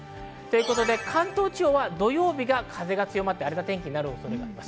関東地方は土曜日が風が強まって荒れた天気の恐れがあります。